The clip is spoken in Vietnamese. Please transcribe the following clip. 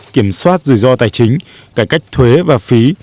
kiểm soát rủi ro tài chính cải cách thuế và phí